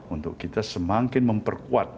untuk kita semakin memperkuat